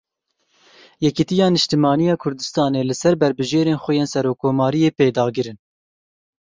Yêkîtiya Niştimaniya Kurdistanê li ser berbijêrên xwe yên Serokkomariyê pêdagir in.